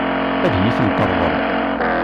Ad iyi-ten-teṛḍel?